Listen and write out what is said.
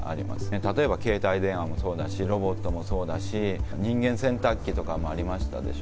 例えば携帯電話もそうだし、ロボットもそうだし、人間洗濯機とかもありましたでしょ。